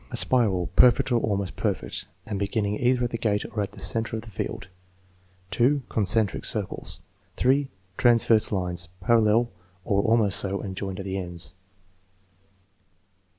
A spiral, perfect or almost perfect, and beginning either at the gate or at the center of the field. 2. Concentric circles. 3. Transverse lines, parallel or almost so, and joined at the ends.